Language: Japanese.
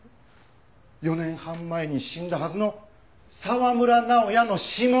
４年半前に死んだはずの沢村直哉の指紋！